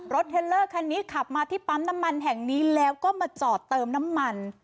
เทลเลอร์คันนี้ขับมาที่ปั๊มน้ำมันแห่งนี้แล้วก็มาจอดเติมน้ำมัน